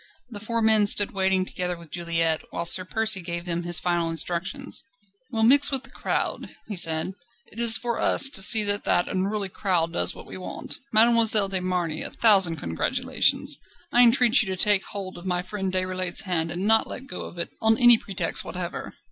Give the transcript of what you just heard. The four men stood waiting together with Juliette, whilst Sir Percy gave them his final instructions. "We'll mix with the crowd," he said, "and do all that the crowd does. It is for us to see that that unruly crowd does what we want. Mademoiselle de Marny, a thousand congratulations. I entreat you to take hold of my friend Déroulède's hand, and not to let go of it, on any pretext whatever.